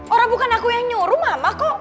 orang bukan aku yang nyuruh mama kok